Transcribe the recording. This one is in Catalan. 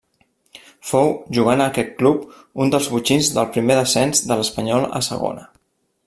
Fou, jugant a aquest club, un dels botxins del primer descens de l'Espanyol a Segona.